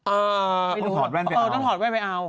อ่าไม่รู้ต้องถอดแว่นไปเอาเออต้องถอดแว่นไปเอา